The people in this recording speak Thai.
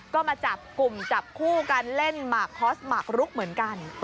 ก็มาจับกลุ่มจับคู่กันเล่นหมากคอสหมากรุกเหมือนกัน